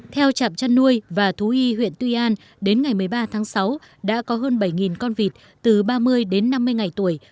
theo trạm chăn nuôi và thú y huyện tuy an đến ngày một mươi ba tháng sáu đã có hơn bảy con vịt từ ba mươi đến năm mươi ngày tuổi